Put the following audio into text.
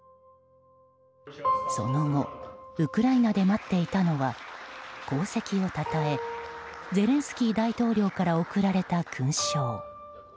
その後ウクライナで待っていたのは功績をたたえゼレンスキー大統領から贈られた勲章。